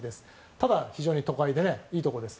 ただ、非常に都会でいいところです。